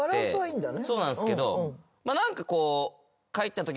そうなんすけど何かこう帰ったとき。